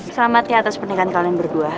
selamat ya atas pernikahan kalian berdua